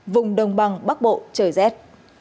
vùng đồng bằng bắc bộ trời rét